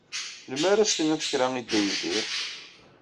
Melmi ara as-tiniḍ kra i Dda Yidir?